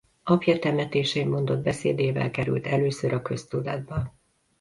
Apja temetésén mondott beszédével került először a köztudatba.